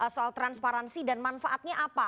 soal transparansi dan manfaatnya apa